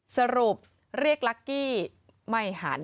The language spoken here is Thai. สรุปเรียกลักกี้ไม่หัน